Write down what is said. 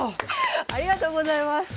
ありがとうございます。